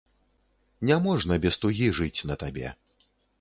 Няможна без тугі жыць на табе.